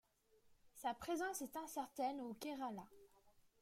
Sa présence est incertaine au Kerala.